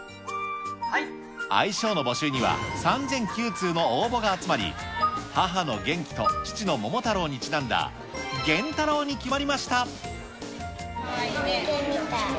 愛称の募集には３００９通も応募が集まり、母のゲンキと父のモモタロウにちなんだ、ゲンタロウに決まりましかわいいね。